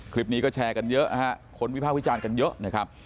คลิปนี้ก็แชร์กันเยอะนะฮะคนวิภาควิจารณ์กันเยอะนะครับ